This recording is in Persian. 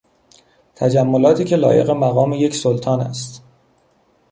تجملاتی که لایق مقام یک سلطان است